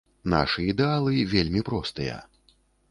Нашы ідэалы вельмі простыя.